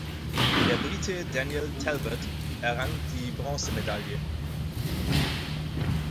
Der Brite Daniel Talbot errang die Bronzemedaille.